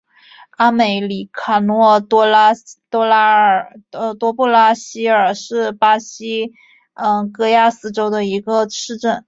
阿梅里卡诺多布拉西尔是巴西戈亚斯州的一个市镇。